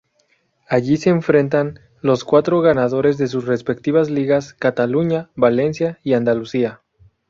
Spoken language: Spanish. Allí se enfrentan los cuatro ganadores de sus respectivas ligas, Cataluña, Valencia y Andalucía.